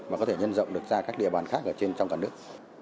và có thể nhân dọng được ra các địa bàn khác ở trên trong cả nước